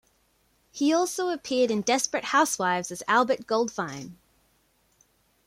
He also appeared in "Desperate Housewives" as Albert Goldfine.